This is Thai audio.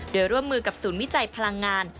โดยร่วมมือกับศูนย์วิจัยพลังงาน